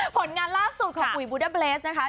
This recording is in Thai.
ผลงานล่าสุดของอุยบุ๊ดาเบสนะคะ